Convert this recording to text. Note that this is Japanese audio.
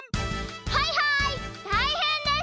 はいはいたいへんです！